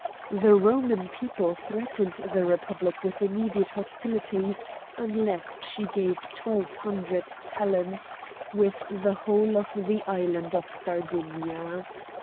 The Roman people threatened the Republic with immediate hostilities unless she gave twelve hundred talents with the whole of the island of Sardinia.